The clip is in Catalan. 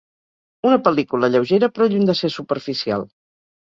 Una pel·lícula lleugera però lluny de ser superficial.